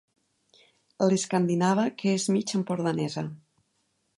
L'escandinava que és mig empordanesa.